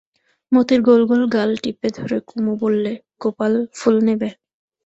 মোতির গোল গোল গাল টিপে ধরে কুমু বললে, গোপাল, ফুল নেবে?